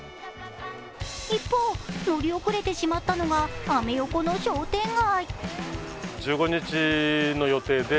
一方、乗り遅れてしまったのがアメ横の商店街。